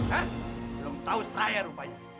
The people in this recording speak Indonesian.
belum tahu saya rupanya